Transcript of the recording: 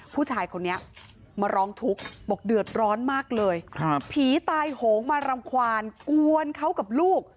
ผู้ชายคนนี้มาร้องทุกข์บอกเดือดร้อนมากเลยผีตายโหงมารำควานกวนเขากับลูก